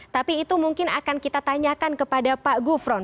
tapi itu mungkin akan kita tanyakan kepada pak gufron